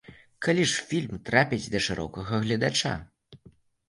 Калі ж фільм трапіць да шырокага гледача?